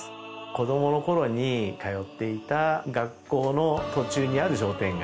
子どものころに通っていた学校の途中にある商店街。